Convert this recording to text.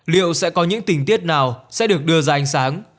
liệu sẽ có những tình tiết nào sẽ được đưa ra ánh sáng